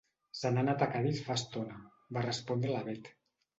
Se n'ha anat a Cadis fa estona —va respondre la Bet.